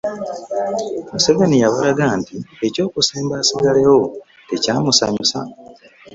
Museveni yabalaga nti eky'okusemba esigalewo tekyamusanyusa.